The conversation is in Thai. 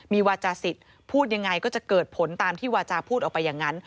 มีวาจาศิษย์พูดยังไงก็จะเกิดผลตามที่วาจาพูดออกไปอย่างนั้น